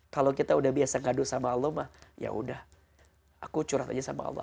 kalau kita udah biasa ngadu sama allah mah yaudah aku curhat aja sama allah